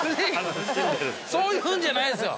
そういうんじゃないんですよ！